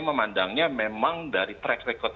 memandangnya memang dari track record